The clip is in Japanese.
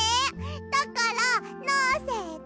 だからのせて！